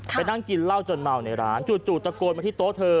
นั่งกินเหล้าจนเมาในร้านจู่ตะโกนมาที่โต๊ะเธอ